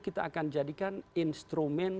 kita akan jadikan instrumen